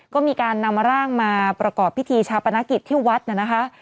ก็มีการนำร่างมาประกอบพิธีชาปนกิจที่วัดน่ะนะคะ